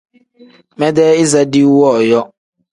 Medee iza diiwu wooyo.